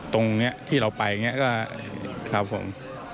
ตรงนี้ที่เราไปอย่างนี้ก็ครับผม